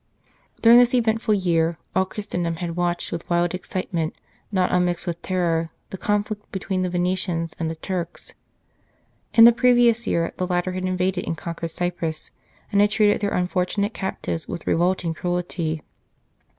During this eventful year all Christendom had watched with wild excitement, not unmixed with terror, the conflict between the Venetians and the The Battle of Lepanto Turks. In the previous year the latter had invaded and conquered Cyprus, and had treated their unfortunate captives with revolting cruelty.